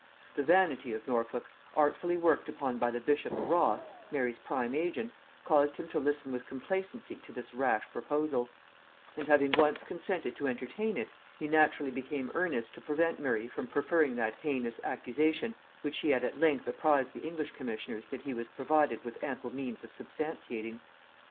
The vanity of Norfolk, artfully worked upon by the bishop of Ross, Mary's prime agent, caused him to listen with complacency to this rash proposal; and having once consented to entertain it, he naturally became earnest to prevent Murray from preferring that heinous accusation which he had at length apprized the English commissioners that he was provided with ample means of substantiating.